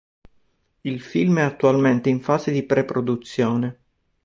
Il film è attualmente in fase di pre-produzione.